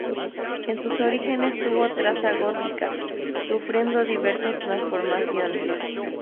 En sus orígenes tuvo traza gótica, sufriendo diversas transformaciones.